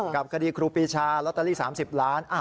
กับคดีครูปีชาลอตเตอรี่๓๐ล้าน